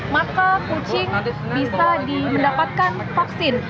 maka kucing bisa di mendapatkan vaksin